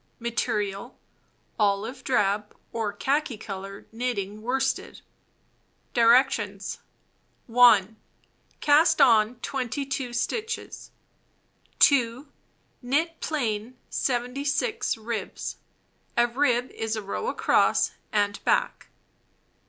Material: Olive drab or khaki color knitting worsted. Directions : 1. Cast on 22 stitches. 2. Knit plain 76 ribs (a rib is a row across and back).